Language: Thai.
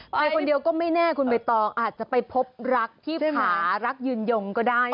ไปคนเดียวก็ไม่แน่คุณใบตองอาจจะไปพบรักที่หมารักยืนยงก็ได้